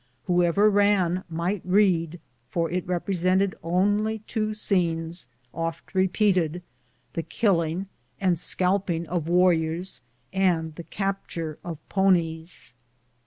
Whoever ran might read, for it represented only two scenes, oft repeated — the killing and scalping of warriors and tlie capture of ponies.